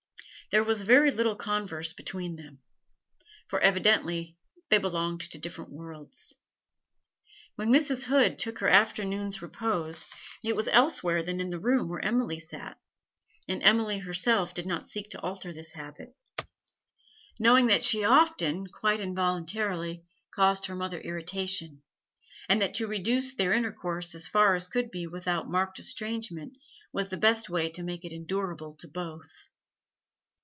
There was very little converse between them; for evidently they belonged to different worlds. When Mrs. Hood took her afternoon's repose, it was elsewhere than in the room where Emily sat, and Emily herself did not seek to alter this habit, knowing that she often, quite involuntarily, caused her mother irritation, and that to reduce their intercourse as far as could be without marked estrangement was the best way to make it endurable to both.